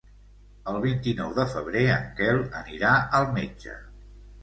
El vint-i-nou de febrer en Quel anirà al metge.